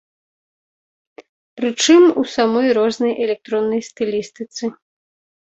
Прычым у самой рознай электроннай стылістыцы.